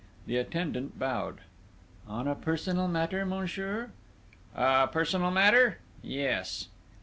The attendant bowed. "On a personal matter, monsieur?" "A personal matter?... Yes."